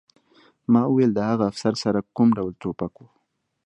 ما وویل د هغه افسر سره کوم ډول ټوپک و